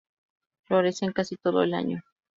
Florecen casi todo el año.